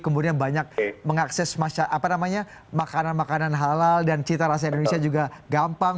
kemudian banyak mengakses makanan makanan halal dan cita rasa indonesia juga gampang